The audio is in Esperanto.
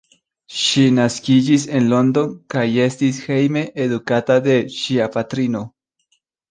Ŝi naskiĝis en London kaj estis hejme edukata de ŝia patrino.